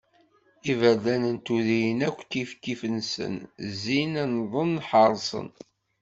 Iberdan n tudrin akk kif kif-nsen, zzin, nnḍen, ḥerṣen.